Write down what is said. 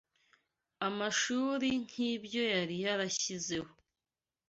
amashuri nk’ibyo yari yarashyizeho